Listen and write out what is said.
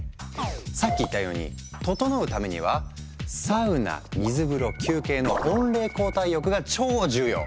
さっき言ったように「ととのう」ためには「サウナ水風呂休憩」の温冷交代浴が超重要！